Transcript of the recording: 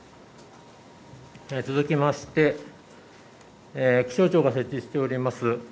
続きまして気象庁が設置しております